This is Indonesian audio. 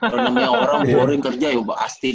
kalo namanya orang boring kerja ya udah pasti